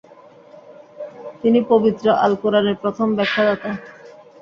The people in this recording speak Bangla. তিনি পবিত্র আল কুরআনের প্রথম ব্যাখ্যাদাতা।